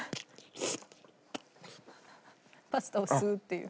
パスタを吸うっていう。